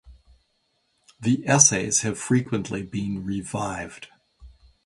The "Essays" have frequently been revived.